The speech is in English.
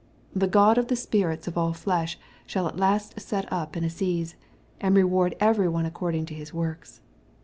The God of the spirits of all flesh shall at last set up an assize, and reward every one according to his works.